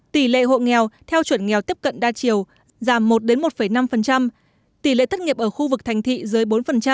tỷ lệ hộ nghèo theo chuẩn nghèo tiếp cận đa chiều giảm một đến một một năm tỷ lệ thất nghiệp ở khu vực thành thị dưới bốn